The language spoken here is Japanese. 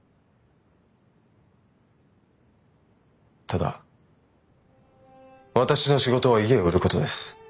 ただ私の仕事は家を売ることです。